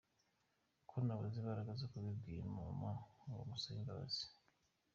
Ko nabuze imbaraga zo kubibwira mama ngo musabe imbabazi ?